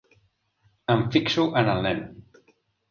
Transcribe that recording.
Em fixo en el nen.